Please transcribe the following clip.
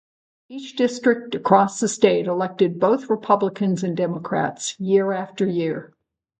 Each district across the state elected both Republicans and Democrats year-after-year.